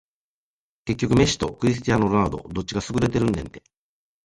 結局メッシとクリスティアーノ・ロナウドどっちが優れてるねんて